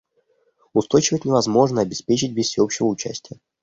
Устойчивость невозможно обеспечить без всеобщего участия.